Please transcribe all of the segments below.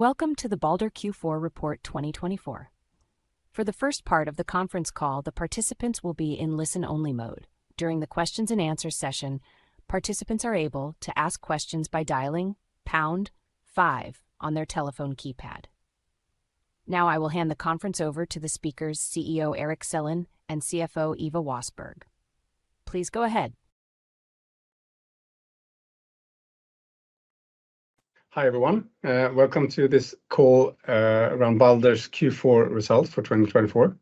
Welcome to the Balder Q4 report 2024. For the first part of the conference call, the participants will be in listen-only mode. During the Q&A session, participants are able to ask questions by dialing pound five on their telephone keypad. Now, I will hand the conference over to the speakers, CEO Erik Selin and CFO Ewa Wassberg. Please go ahead. Hi everyone, welcome to this call around Balder's Q4 results for 2024.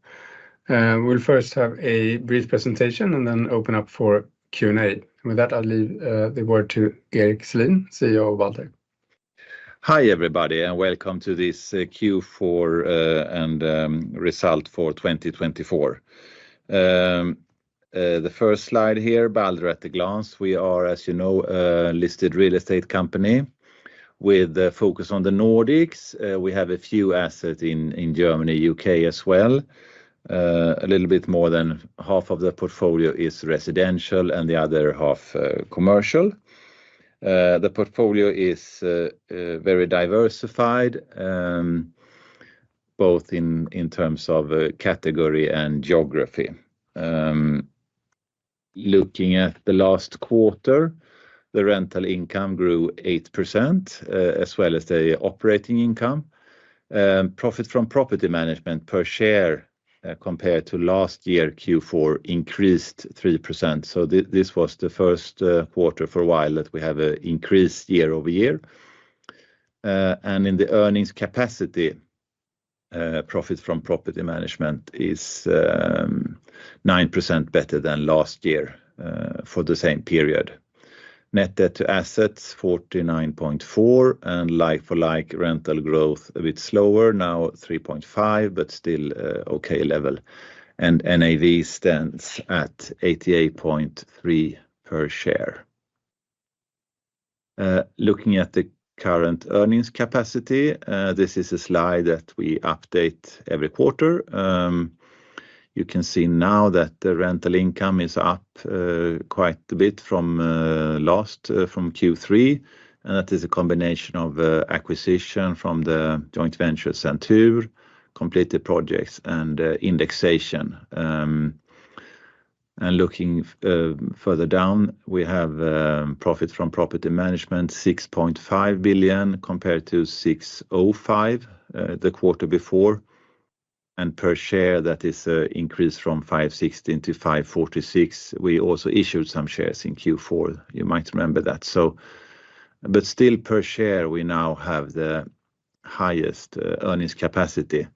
We'll first have a brief presentation and then open up for Q&A. With that, I'll leave the word to Erik Selin, CEO of Balder. Hi, everybody, and welcome to this Q4 and result for 2024. The first slide here, Balder at a glance. We are, as you know, a listed real estate company with a focus on the Nordics. We have a few assets in Germany, U.K. as well. A little bit more than half of the portfolio is residential and the other half commercial. The portfolio is very diversified, both in terms of category and geography. Looking at the last quarter, the rental income grew 8%, as well as the operating income. Profit from property management per share compared to last year Q4 increased 3%, so this was the first quarter for a while that we have an increase year-over-year, and in the earnings capacity, profit from property management is 9% better than last year for the same period. Net debt to assets 49.4%, and like-for-like rental growth a bit slower, now 3.5%, but still okay level. NAV stands at 88.3 per share. Looking at the current earnings capacity, this is a slide that we update every quarter. You can see now that the rental income is up quite a bit from Q3. That is a combination of acquisition from the joint venture Centur, completed projects, and indexation. Looking further down, we have profit from property management 6.5 billion compared to 6.05 billion the quarter before. Per share, that is an increase from 516 to 546. We also issued some shares in Q4, you might remember that. But still, per share, we now have the highest earnings capacity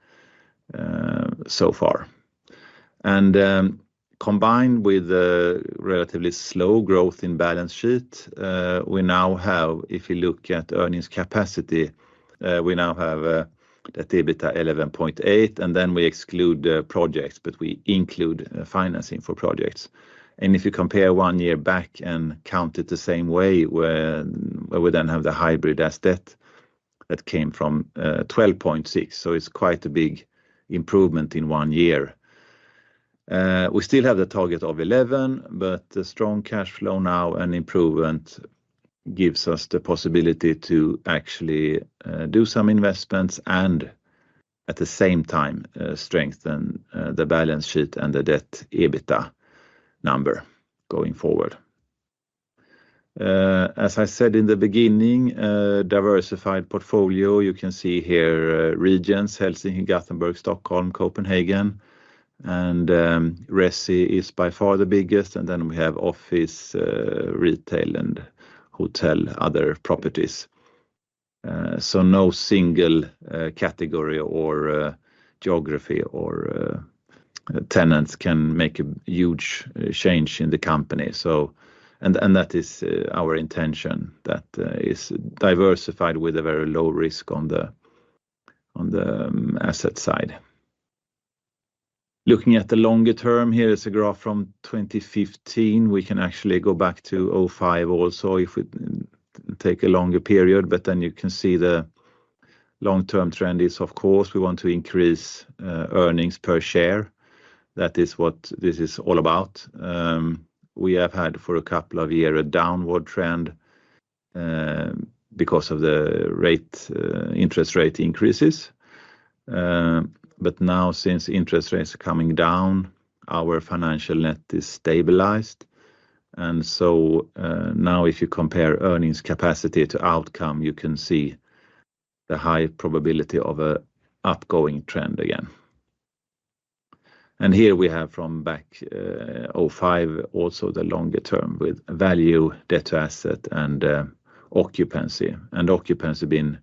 so far. Combined with the relatively slow growth in balance sheet, we now have, if you look at earnings capacity, we now have a debt-to-EBITDA 11.8, and then we exclude projects, but we include financing for projects. If you compare one year back and count it the same way, we then have the hybrid asset that came from 12.6. So it's quite a big improvement in one year. We still have the target of 11, but the strong cash flow now and improvement gives us the possibility to actually do some investments and at the same time strengthen the balance sheet and the debt-to-EBITDA number going forward. As I said in the beginning, diversified portfolio, you can see here regions, Helsinki, Gothenburg, Stockholm, Copenhagen, and resi is by far the biggest. Then we have office, retail, and hotel, other properties. No single category or geography or tenants can make a huge change in the company. That is our intention, that is diversified with a very low risk on the asset side. Looking at the longer term, here is a graph from 2015. We can actually go back to 2005 also if we take a longer period, but then you can see the long-term trend is, of course, we want to increase earnings per share. That is what this is all about. We have had for a couple of years a downward trend because of the interest rate increases. Now, since interest rates are coming down, our financial net is stabilized. So now, if you compare earnings capacity to outcome, you can see the high probability of an upgoing trend again. Here we have from 2005 also the longer term with value, debt-to-asset, and occupancy. Occupancy has been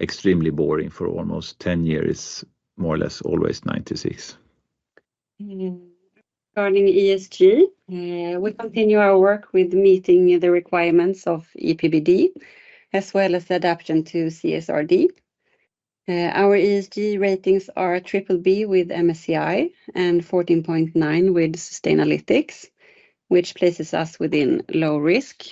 extremely boring for almost 10 years, more or less always 96%. Regarding ESG, we continue our work with meeting the requirements of EPBD, as well as adapting to CSRD. Our ESG ratings are BBB with MSCI and 14.9 with Sustainalytics, which places us within low risk.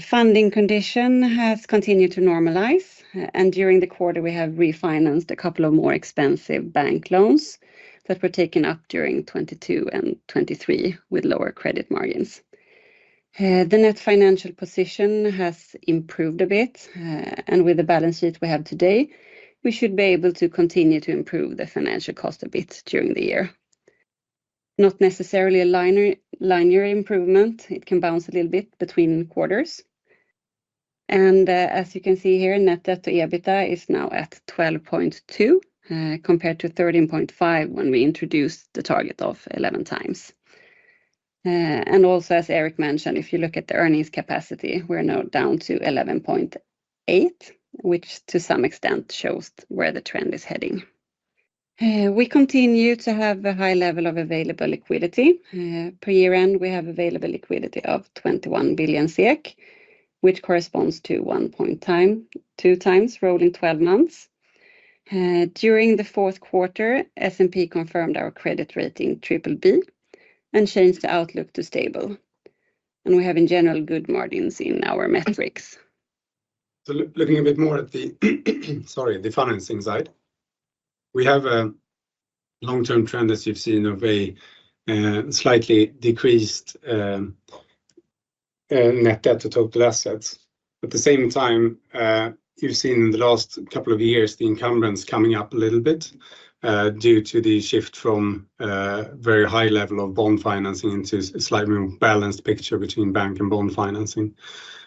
Funding conditions have continued to normalize, and during the quarter, we have refinanced a couple of more expensive bank loans that were taken up during 2022 and 2023 with lower credit margins. The net financial position has improved a bit, and with the balance sheet we have today, we should be able to continue to improve the financial cost a bit during the year. Not necessarily a linear improvement. It can bounce a little bit between quarters, and as you can see here, net debt-to-EBITDA is now at 12.2 compared to 13.5 when we introduced the target of 11x. Also, as Erik mentioned, if you look at the earnings capacity, we're now down to 11.8, which to some extent shows where the trend is heading. We continue to have a high level of available liquidity. At year-end, we have available liquidity of 21 billion, which corresponds to 1.2x rolling 12 months. During the fourth quarter, S&P confirmed our credit rating BBB and changed the outlook to stable. We have in general good margins in our metrics. So looking a bit more at the financing side, we have a long-term trend, as you've seen, of a slightly decreased net debt-to-total assets. At the same time, you've seen in the last couple of years the indebtedness coming up a little bit due to the shift from a very high level of bond financing into a slightly more balanced picture between bank and bond financing.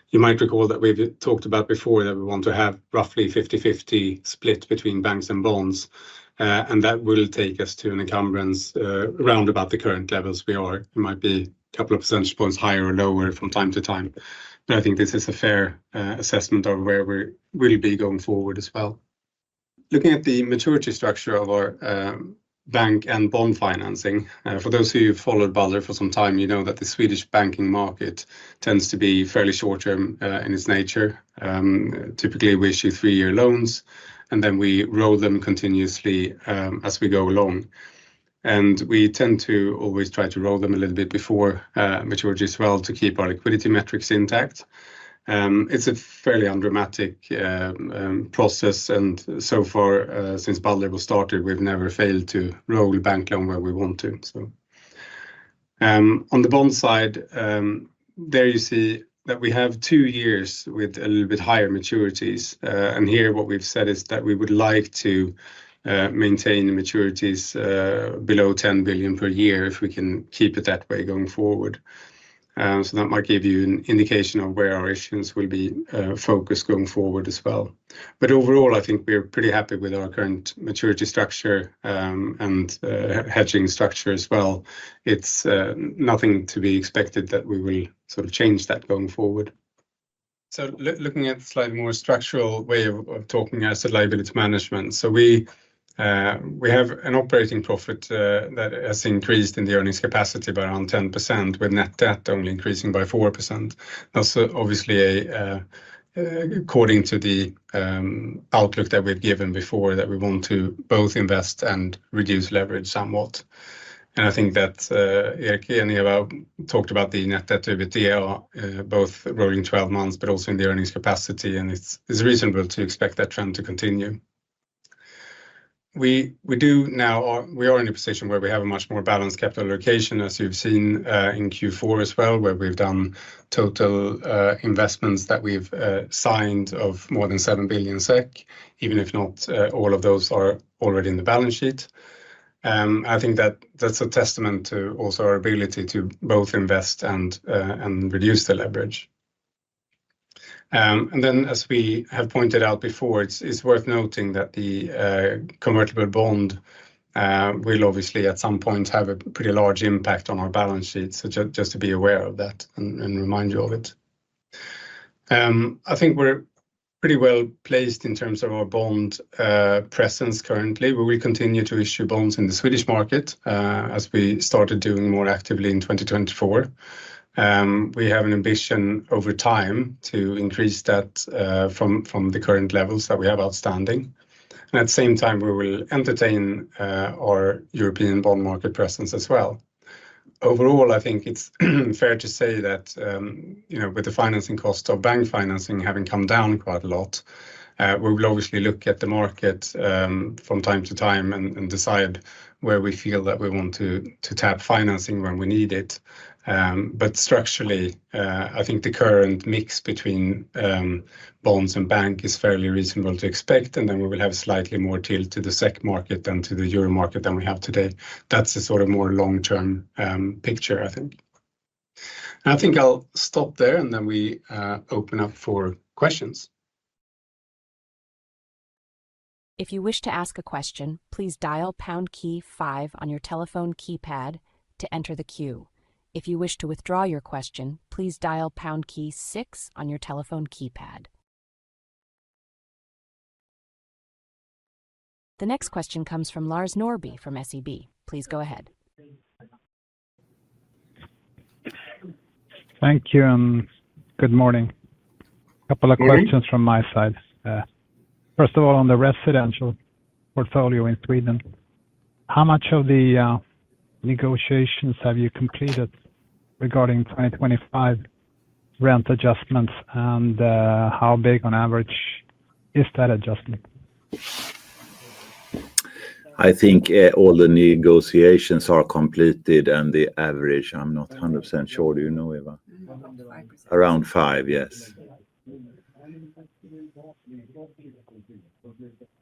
You might recall that we've talked about before that we want to have roughly a 50/50 split between banks and bonds. And that will take us to an indebtedness round about the current levels we are. It might be a couple of percentage points higher or lower from time to time. But I think this is a fair assessment of where we will be going forward as well. Looking at the maturity structure of our bank and bond financing, for those who followed Balder for some time, you know that the Swedish banking market tends to be fairly short-term in its nature. Typically, we issue three-year loans, and then we roll them continuously as we go along, and we tend to always try to roll them a little bit before maturity as well to keep our liquidity metrics intact. It's a fairly undramatic process, and so far, since Balder was started, we've never failed to roll bank loan where we want to. On the bond side, there you see that we have two years with a little bit higher maturities, and here, what we've said is that we would like to maintain maturities below 10 billion per year if we can keep it that way going forward. That might give you an indication of where our issues will be focused going forward as well. But overall, I think we're pretty happy with our current maturity structure and hedging structure as well. It's nothing to be expected that we will sort of change that going forward. So looking at a slightly more structural way of talking asset liability management, so we have an operating profit that has increased in the earnings capacity by around 10%, with net debt only increasing by 4%. That's obviously according to the outlook that we've given before that we want to both invest and reduce leverage somewhat. And I think that Erik and Ewa talked about the net debt-to-EBITDA both rolling 12 months, but also in the earnings capacity. And it's reasonable to expect that trend to continue. We do now. We are in a position where we have a much more balanced capital allocation, as you've seen in Q4 as well, where we've done total investments that we've signed of more than 7 billion SEK, even if not all of those are already in the balance sheet. I think that that's a testament to also our ability to both invest and reduce the leverage. And then, as we have pointed out before, it's worth noting that the convertible bond will obviously at some point have a pretty large impact on our balance sheet. So just to be aware of that and remind you of it. I think we're pretty well placed in terms of our bond presence currently. We will continue to issue bonds in the Swedish market as we started doing more actively in 2024. We have an ambition over time to increase that from the current levels that we have outstanding. And at the same time, we will maintain our European bond market presence as well. Overall, I think it's fair to say that with the financing cost of bank financing having come down quite a lot, we will obviously look at the market from time to time and decide where we feel that we want to tap financing when we need it. But structurally, I think the current mix between bonds and bank is fairly reasonable to expect. And then we will have slightly more tilt to the SEK market than to the euro market than we have today. That's the sort of more long-term picture, I think. And I think I'll stop there, and then we open up for questions. If you wish to ask a question, please dial pound key five on your telephone keypad to enter the queue. If you wish to withdraw your question, please dial pound key six on your telephone keypad. The next question comes from Lars Norrby from SEB. Please go ahead. Thank you. Good morning. A couple of questions from my side. First of all, on the residential portfolio in Sweden, how much of the negotiations have you completed regarding 2025 rent adjustments? And how big on average is that adjustment? I think all the negotiations are completed and the average. I'm not 100% sure. Do you know, Ewa? Around five, yes.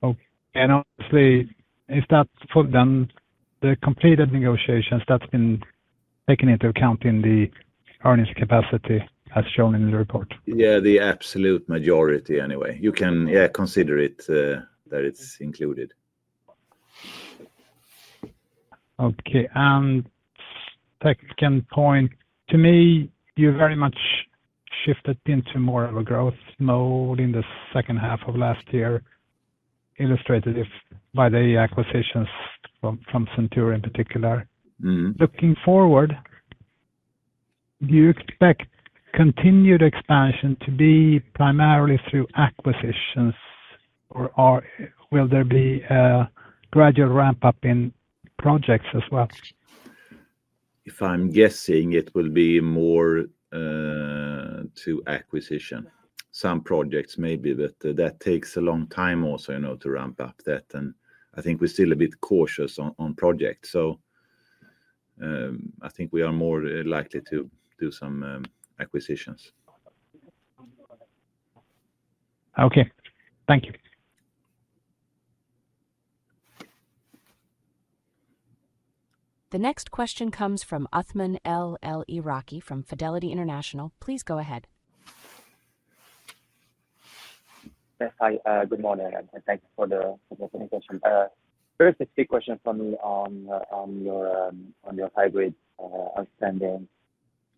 Okay. And honestly, is that for then the completed negotiations that's been taken into account in the earnings capacity as shown in the report? Yeah, the absolute majority anyway. You can consider it that it's included. Okay, and second point, to me, you very much shifted into more of a growth mode in the second half of last year, illustrated by the acquisitions from Centur in particular. Looking forward, do you expect continued expansion to be primarily through acquisitions, or will there be a gradual ramp up in projects as well? If I'm guessing, it will be more to acquisition. Some projects may be, but that takes a long time also to ramp up that. And I think we're still a bit cautious on projects. So I think we are more likely to do some acquisitions. Okay. Thank you. The next question comes from Othman El Iraki from Fidelity International. Please go ahead. Hi, good morning. And thanks for the presentation. First, a quick question for me on your hybrid outstanding.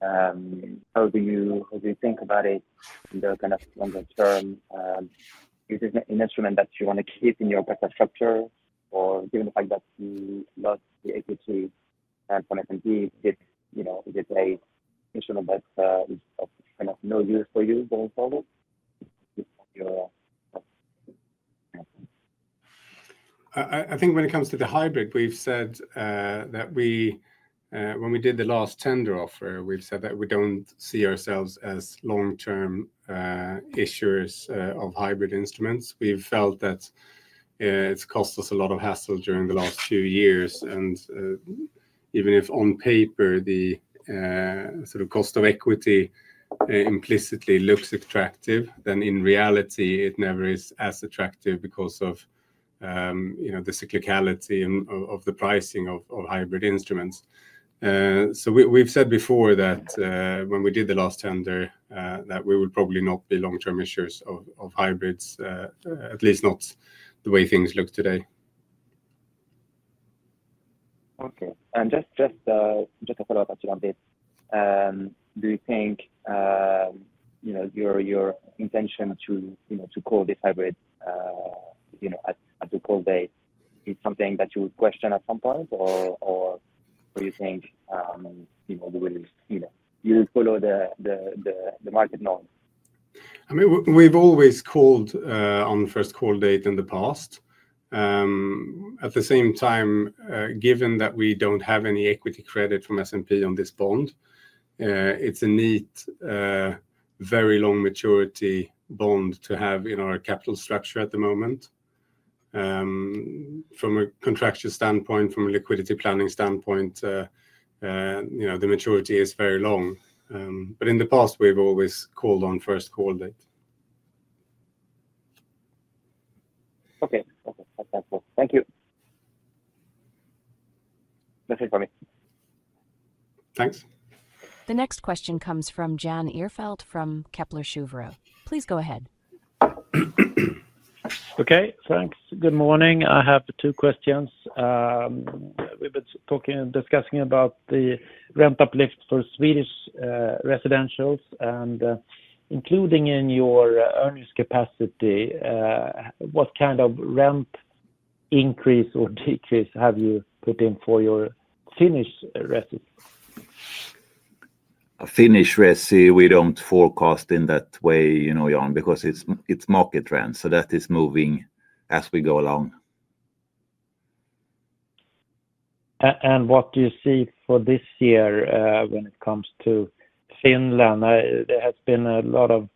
How do you think about it in the kind of longer term? Is it an instrument that you want to keep in your infrastructure? Or given the fact that you lost the equity from S&P, is it an instrument that is of kind of no use for you going forward? I think when it comes to the hybrid, we've said that when we did the last tender offer, we've said that we don't see ourselves as long-term issuers of hybrid instruments. We've felt that it's cost us a lot of hassle during the last few years. And even if on paper, the sort of cost of equity implicitly looks attractive, then in reality, it never is as attractive because of the cyclicality of the pricing of hybrid instruments. So we've said before that when we did the last tender, that we would probably not be long-term issuers of hybrids, at least not the way things look today. Okay, and just a follow-up question on this. Do you think your intention to call this hybrid at the call date is something that you would question at some point, or do you think you will follow the market norms? I mean, we've always called on the first call date in the past. At the same time, given that we don't have any equity credit from S&P on this bond, it's a neat, very long maturity bond to have in our capital structure at the moment. From a contractual standpoint, from a liquidity planning standpoint, the maturity is very long. But in the past, we've always called on first call date. Okay. Okay. Thank you. Nothing for me. Thanks. The next question comes from Jan Ihrfelt from Kepler Cheuvreux. Please go ahead. Okay. Thanks. Good morning. I have two questions. We've been discussing about the rent uplift for Swedish residentials, and including in your earnings capacity, what kind of rent increase or decrease have you put in for your Finnish resi? A Finnish resi, we don't forecast in that way, Jan, because it's market rent. So that is moving as we go along. What do you see for this year when it comes to Finland? There has been a lot of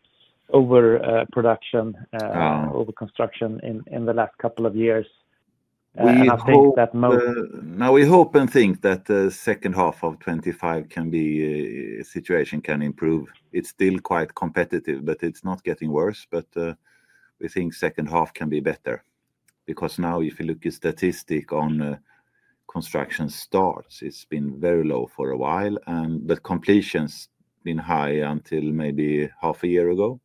overproduction, overconstruction in the last couple of years. I think that most. Now, we hope and think that the second half of 2025 can be a situation can improve. It's still quite competitive, but it's not getting worse. But we think second half can be better. Because now, if you look at statistic on construction starts, it's been very low for a while. But completion's been high until maybe half a year ago.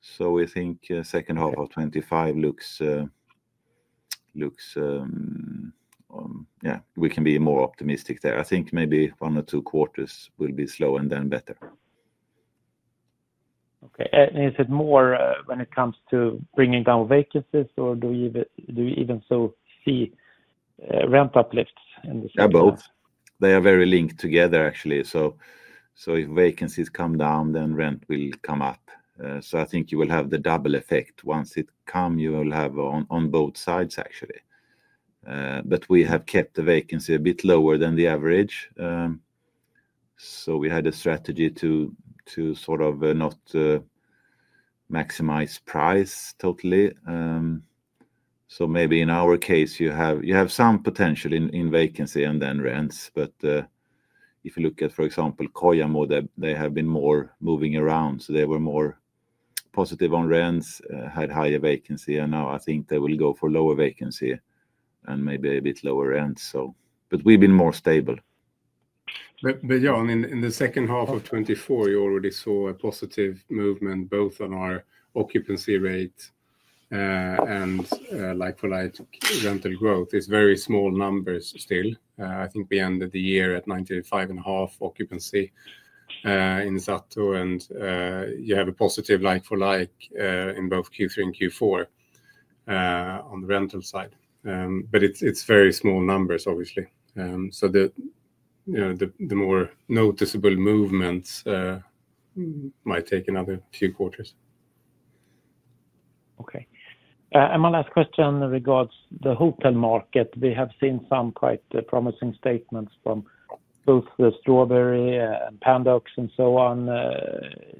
So we think second half of 2025 looks yeah, we can be more optimistic there. I think maybe one or two quarters will be slow and then better. Okay. And is it more when it comes to bringing down vacancies, or do you even so see rent uplifts in the same time? Both. They are very linked together, actually. So if vacancies come down, then rent will come up. So I think you will have the double effect. Once it come, you will have on both sides, actually. But we have kept the vacancy a bit lower than the average. So we had a strategy to sort of not maximize price totally. So maybe in our case, you have some potential in vacancy and then rents. But if you look at, for example, Kojamo, they have been more moving around. So they were more positive on rents, had higher vacancy. And now I think they will go for lower vacancy and maybe a bit lower rents. But we've been more stable. But Jan, in the second half of 2024, you already saw a positive movement both on our occupancy rate and like-for-like rental growth. It's very small numbers still. I think we ended the year at 95.5% occupancy in Sato. And you have a positive like-for-like in both Q3 and Q4 on the rental side. But it's very small numbers, obviously. So the more noticeable movements might take another few quarters. Okay, and my last question regards the hotel market. We have seen some quite promising statements from both Strawberry and Pandox and so on.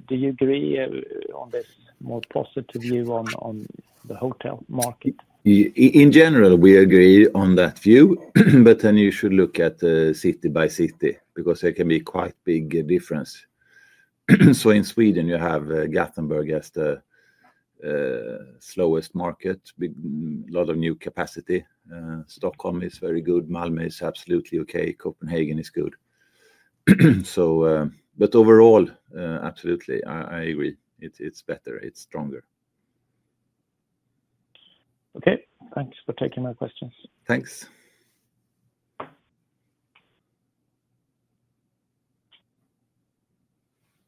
Do you agree on this more positive view on the hotel market? In general, we agree on that view. But then you should look at city by city because there can be quite big difference. So in Sweden, you have Gothenburg as the slowest market, a lot of new capacity. Stockholm is very good. Malmö is absolutely okay. Copenhagen is good. But overall, absolutely, I agree. It's better. It's stronger. Okay. Thanks for taking my questions. Thanks.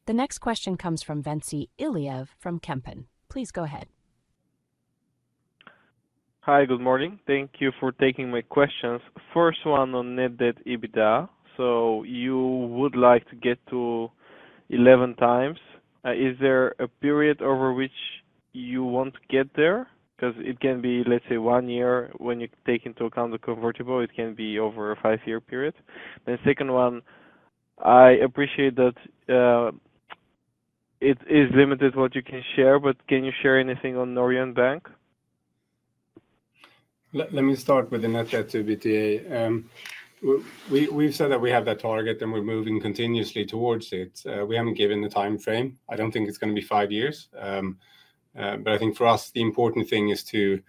The next question comes from Ventsi Iliev from Kempen. Please go ahead. Hi, good morning. Thank you for taking my questions. First one on net debt EBITDA. So you would like to get to 11x. Is there a period over which you want to get there? Because it can be, let's say, one year when you take into account the convertible. It can be over a five-year period, and second one, I appreciate that it is limited what you can share, but can you share anything on Norion Bank? Let me start with the net debt EBITDA. We've said that we have that target, and we're moving continuously towards it. We haven't given the time frame. I don't think it's going to be five years. But I think for us, the important thing is to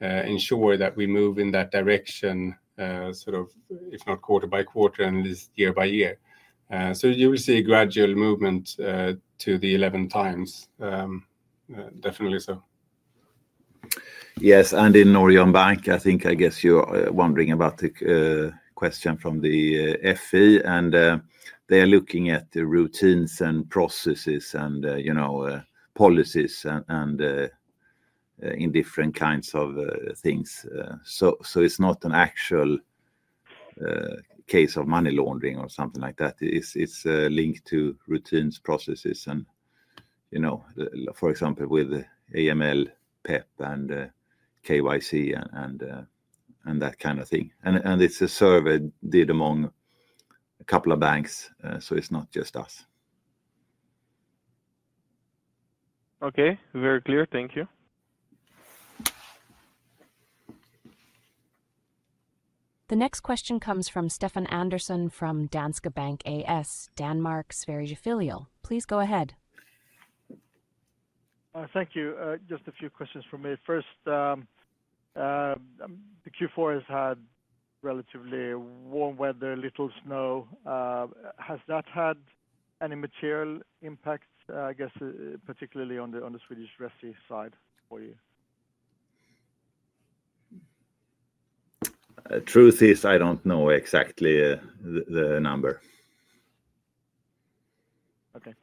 ensure that we move in that direction, sort of if not quarter by quarter, at least year by year. So you will see a gradual movement to the 11 times. Definitely so. Yes. And in Norion Bank, I think I guess you're wondering about the question from the FI. And they are looking at the routines and processes and policies and different kinds of things. So it's not an actual case of money laundering or something like that. It's linked to routines, processes, and for example, with AML, PEP, and KYC, and that kind of thing. And it's a survey done among a couple of banks. So it's not just us. Okay. Very clear. Thank you. The next question comes from Stefan Andersson from Danske Bank A/S, Danmark, Sverige Filial. Please go ahead. Thank you. Just a few questions for me. First, the Q4 has had relatively warm weather, little snow. Has that had any material impacts, I guess, particularly on the Swedish resi side for you? Truth is, I don't know exactly the number. Okay.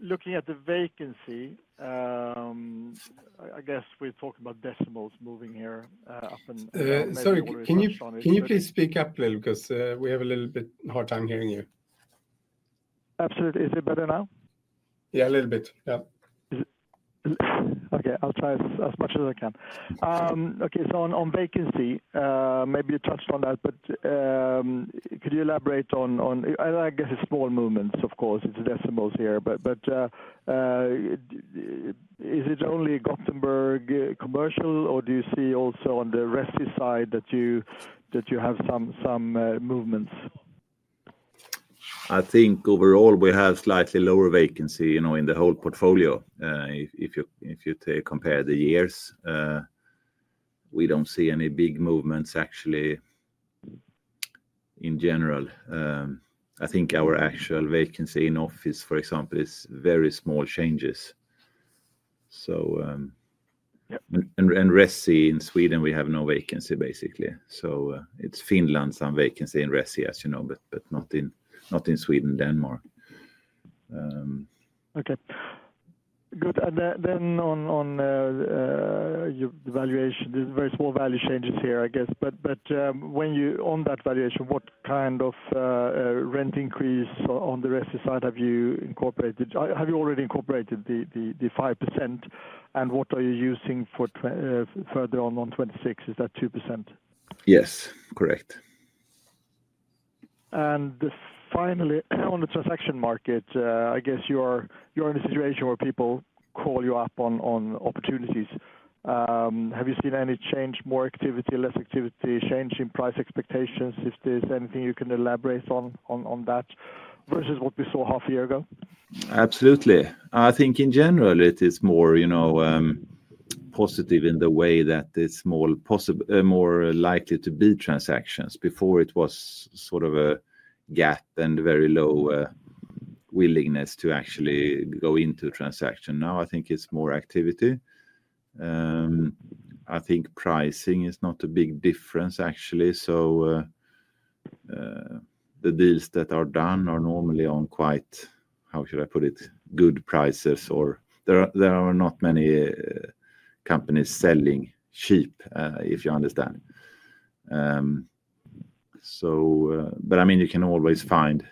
Looking at the vacancy, I guess we're talking about decimals moving here up and maybe more down. Sorry, can you please speak up a little because we have a little bit hard time hearing you? Absolutely. Is it better now? Yeah, a little bit. Yeah. Okay. I'll try as much as I can. Okay. So on vacancy, maybe you touched on that, but could you elaborate on, I guess it's small movements, of course. It's decimals here. But is it only Gothenburg commercial, or do you see also on the resi side that you have some movements? I think overall, we have slightly lower vacancy in the whole portfolio. If you compare the years, we don't see any big movements, actually, in general. I think our actual vacancy in office, for example, is very small changes. So in resi in Sweden, we have no vacancy, basically. So it's Finland some vacancy in resi, as you know, but not in Sweden, Denmark. Okay. Good. And then on the valuation, there's very small value changes here, I guess. But when you on that valuation, what kind of rent increase on the resi side have you incorporated? Have you already incorporated the 5%? And what are you using for further on 2026? Is that 2%? Yes. Correct. Finally, on the transaction market, I guess you're in a situation where people call you up on opportunities. Have you seen any change, more activity, less activity, change in price expectations? If there's anything you can elaborate on that versus what we saw half a year ago? Absolutely. I think in general, it is more positive in the way that it's more likely to be transactions. Before, it was sort of a gap and very low willingness to actually go into transaction. Now, I think it's more activity. I think pricing is not a big difference, actually. So the deals that are done are normally on quite, how should I put it, good prices. Or there are not many companies selling cheap, if you understand. But I mean, you can always find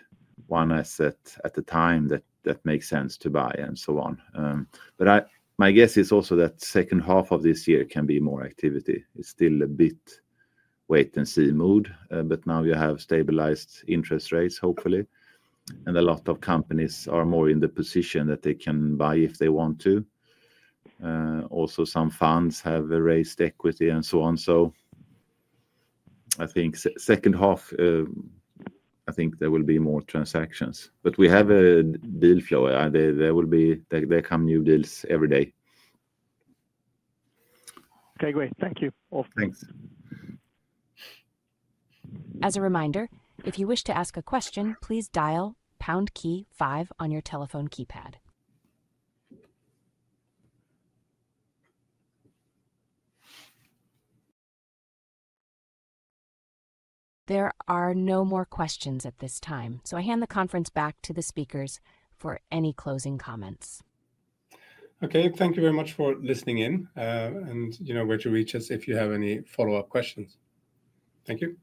one asset at a time that makes sense to buy and so on. But my guess is also that second half of this year can be more activity. It's still a bit wait-and-see mood. But now you have stabilized interest rates, hopefully. And a lot of companies are more in the position that they can buy if they want to. Also, some funds have raised equity and so on. So I think second half, I think there will be more transactions. But we have a deal flow. There will be there come new deals every day. Okay. Great. Thank you. Thanks. As a reminder, if you wish to ask a question, please dial pound key five on your telephone keypad. There are no more questions at this time. So I hand the conference back to the speakers for any closing comments. Okay. Thank you very much for listening in, and you know where to reach us if you have any follow-up questions. Thank you.